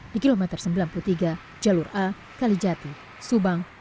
di kilometer sembilan puluh tiga jalur a kalijati subang